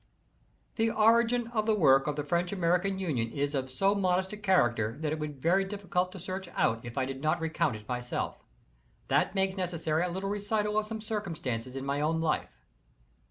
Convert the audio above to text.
IS The origin of the work of the French American Union is of so modest a character that it would be very difficult to search it out if I did not recount it myself. That makes necessary a little recital of some circumstances in my own life.